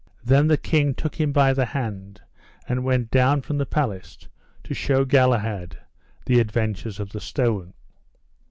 Then the king took him by the hand, and went down from the palace to shew Galahad the adventures of the stone.